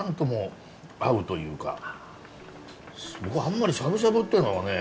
僕あんまりしゃぶしゃぶっていうのはね